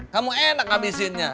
kamu enak ngabisinnya